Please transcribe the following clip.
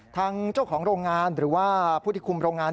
ทางเจ้าของโรงงานหรือว่าผู้ที่คุมโรงงาน